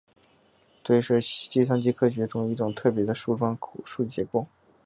堆是计算机科学中的一种特别的树状数据结构。